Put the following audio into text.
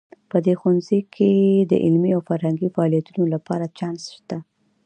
په دې ښوونځي کې د علمي او فرهنګي فعالیتونو لپاره چانس شته